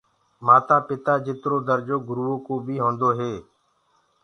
ميآ ٻآپآ جِترو درجو گُروئو ڪو بي هوندو هي،